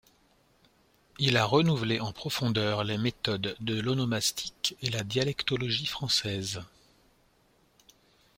Il a renouvelé en profondeur les méthodes de l’onomastique et la dialectologie françaises.